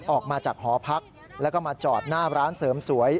ออกมาจากหอพักแล้วก็มาจอดหน้าร้านเสริมสวย